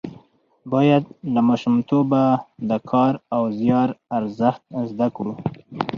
باید له ماشومتوبه د کار او زیار ارزښت زده کړو.